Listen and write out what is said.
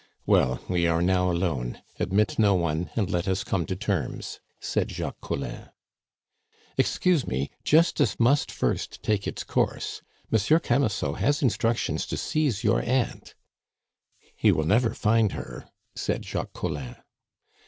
"Well, we are now alone; admit no one, and let us come to terms," said Jacques Collin. "Excuse me, Justice must first take its course. Monsieur Camusot has instructions to seize your aunt." "He will never find her," said Jacques Collin.